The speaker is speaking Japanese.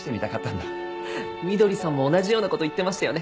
翠さんも同じような事言ってましたよね。